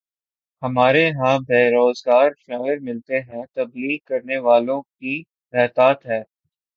ہمارے ہاں بے روزگار شاعر ملتے ہیں، تبلیغ کرنے والوں کی بہتات ہے۔